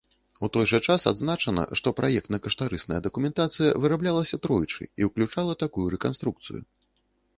У той жа час адзначана што праектна-каштарысная дакументацыя выраблялася тройчы і ўключала такую рэканструкцыю.